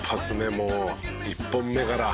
もう１本目から」